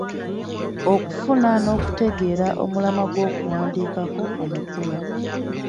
Okufuna n'okutegeera omulamwa gw'okuwandiikako omukulu.